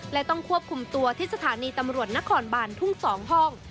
และต้องควบคุมตัวที่สถานีตำรวจนครบานทุ่ง๒ห้อง